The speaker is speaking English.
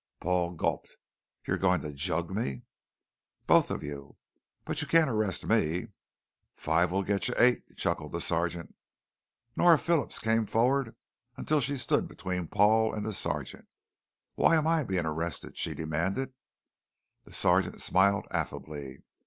Paul gulped. "You're going to jug me?" "Both of you." "But you can't arrest me " "Five will get you eight," chuckled the sergeant. Nora Phillips came forward until she stood between Paul and the sergeant. "Why am I being arrested?" she demanded. The sergeant smiled affably.